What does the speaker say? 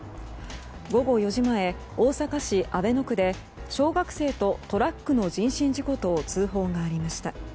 午後４時前、大阪市阿倍野区で小学生とトラックの人身事故と通報がありました。